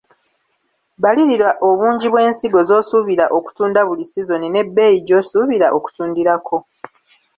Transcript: Balirira obungi bw’ensigo z’osuubira okutunda buli sizoni n’ebbeeyi gy’osubira okutundirako.